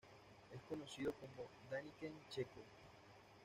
Es conocido como el Däniken checo.